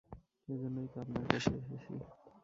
এজন্যই তো আপনার কাছে এসেছি।